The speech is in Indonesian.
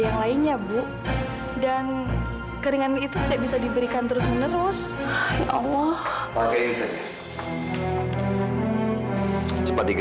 agar operasinya bisa berjalan dengan lancar